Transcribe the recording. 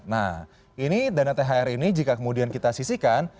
nah ini dana thr ini jika kemudian kita sisihkan